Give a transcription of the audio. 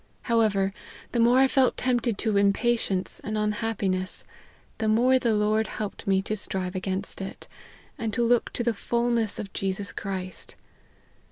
However, the more I felt tempted to impatience and unhappiness, the more the Lord helped me to strive agains* it, and to look to the fulness of Jesus Christ.